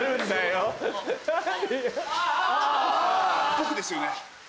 僕ですよね？